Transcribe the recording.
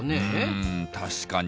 うん確かに。